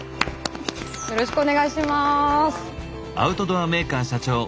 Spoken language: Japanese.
よろしくお願いします。